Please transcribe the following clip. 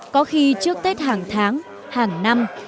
có khi trước tết hàng tháng hàng năm